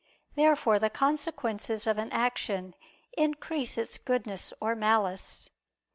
Therefore the consequences of an action increase its goodness or malice.